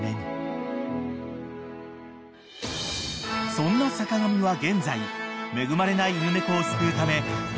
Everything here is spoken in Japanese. ［そんな坂上は現在恵まれない犬猫を救うため］